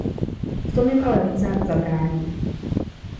V tom jim ale Líza zabrání.